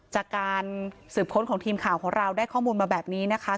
จากการสืบค้นของทีมข่าวของเราได้ข้อมูลมาแบบนี้นะคะ